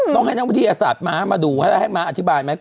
ต้องให้นักวิทยาศาสตร์ม้ามาดูแล้วให้ม้าอธิบายไหม